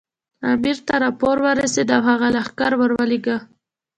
امیر ته راپور ورسېد او هغه لښکر ورولېږه.